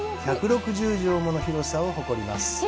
１６０畳もの広さを誇ります。